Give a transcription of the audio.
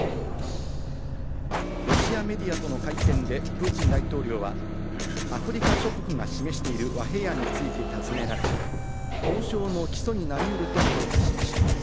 ロシアメディアとの会見でプーチン大統領はアフリカ諸国が示している和平案について尋ねられ、交渉の基礎になりうると評価しました。